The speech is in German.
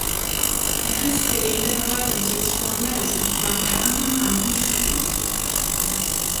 Der festgelegte Verwaltungssitz Fort Madison war von Anfang an umstritten.